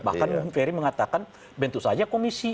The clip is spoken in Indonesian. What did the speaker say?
bahkan bung ferry mengatakan bentuk saja komisi